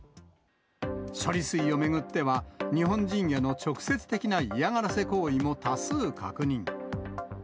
処理水を巡っては、日本人への直接的な嫌がらせ行為も多数確認。